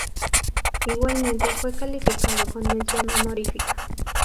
Igualmente fue calificado con mención honorífica.